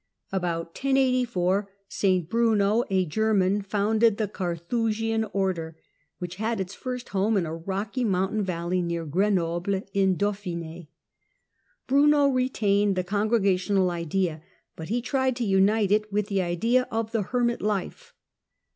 About 1084 St Bruno, a German, founded the Carthusian Order, which had its first home in a rocky mountain valley near Grenoble in Dauphine. Bruno retained the congregational idea, but he tried to unite it with the idea of the hermit life.